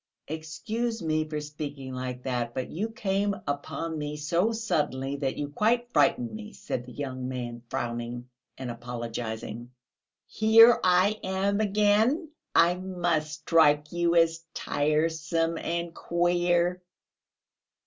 "Excuse me for speaking like that ... but you came upon me so suddenly that you quite frightened me," said the young man, frowning and apologising. "Here I am again. I must strike you as tiresome and queer."